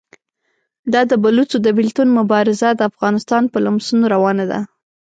دا د بلوڅو د بېلتون مبارزه د افغانستان په لمسون روانه ده.